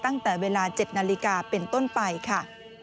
ตั้งแต่เวลา๗นาฬิกาเป็นต้นไปค่ะ